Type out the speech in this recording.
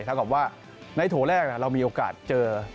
กับว่าในโถแรกเรามีโอกาสเจอ